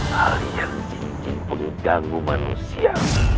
hal yang cincin pengganggu manusia